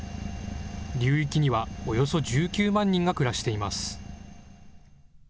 流域にはおよそ１９万人が暮らしています。